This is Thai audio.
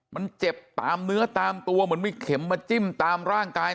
มันเจ็บตามเนื้อตามตัวเหมือนมีเข็มมาจิ้มตามร่างกาย